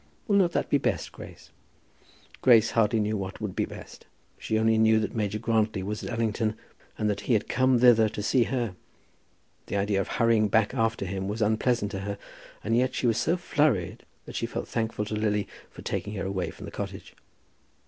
"Will not that be best, Grace?" Grace hardly knew what would be best. She only knew that Major Grantly was at Allington, and that he had come thither to see her. The idea of hurrying back after him was unpleasant to her, and yet she was so flurried that she felt thankful to Lily for taking her away from the cottage.